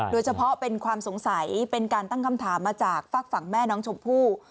โดยเฉพาะเป็นความสงสัยเป็นการตั้งคำถามมาจากฝากฝั่งแม่น้องชมพู่